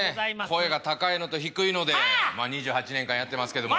声が高いのと低いので２８年間やってますけども。